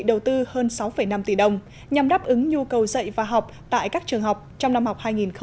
đầu tư hơn sáu năm tỷ đồng nhằm đáp ứng nhu cầu dạy và học tại các trường học trong năm học hai nghìn hai mươi hai nghìn hai mươi